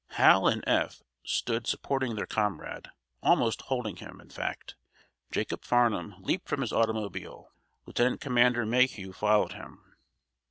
Hal and Eph stood supporting their comrade, almost holding him, in fact. Jacob Farnum leaped from his automobile. Lieutenant Commander Mayhew followed him.